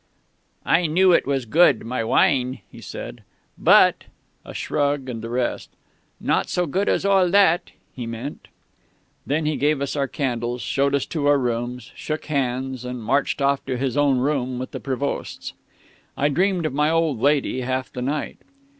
"'I knew it was good, my wine,' he said, 'but ' a shrug said the rest. 'Not so good as all that,' he meant.... "Then he gave us our candles, showed us to our rooms, shook hands, and marched off to his own room and the Prévosts. "I dreamed of my old lady half the night.